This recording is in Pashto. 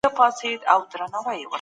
د ځوانانو د استعدادونو قدر پکار دی.